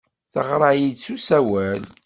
Teɣra-iyi-d s usawal.